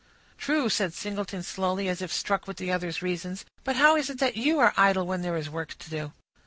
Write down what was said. "True," said Singleton, slowly, as if struck with the other's reasons. "But how is it that you are idle, when there is work to do?"